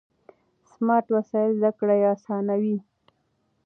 سمارټ وسایل زده کړه اسانوي.